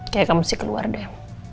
kayaknya kamu mesti keluar deh